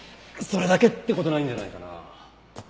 それだけって事ないんじゃないかなあ。